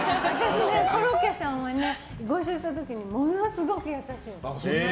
コロッケさんはご一緒した時にものすごく優しいんです。